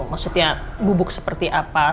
maksudnya bubuk seperti apa